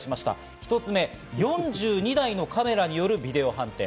１つ目、４２台のカメラによるビデオ判定。